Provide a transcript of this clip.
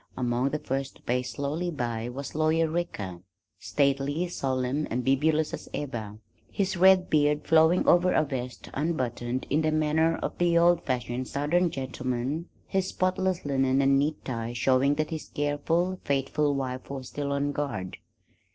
Among the first to pace slowly by was Lawyer Ricker, stately, solemn and bibulous as ever, his red beard flowing over a vest unbuttoned in the manner of the old fashioned southern gentleman, his spotless linen and neat tie showing that his careful, faithful wife was still on guard.